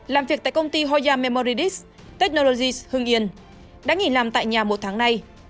làm việc tại công ty hoya memoridix technologies hưng yên đã nghỉ làm tại nhà một tháng nay